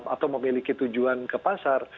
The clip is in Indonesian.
atau memiliki tujuan ke pasar